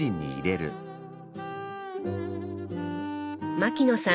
牧野さん